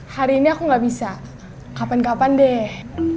hari ini aku gak bisa kapan kapan deh